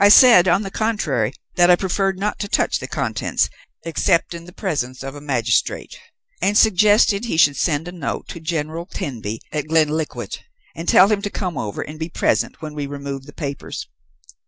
I said, on the contrary, that I preferred not to touch the contents except in the presence of a magistrate, and suggested he should send a note to General Tenby at Glenkliquart to ask him to come over and be present when we removed the papers.